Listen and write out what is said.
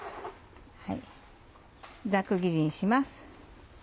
ざく切りにします。